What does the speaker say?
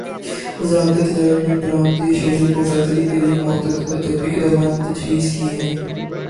وزارت تجارت نے برآمدی شعبے کو بہتری کیلیے متعدد اقدامات تجویز کیے ہیں